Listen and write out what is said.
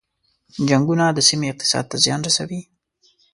جنګونه د سیمې اقتصاد ته زیان رسوي.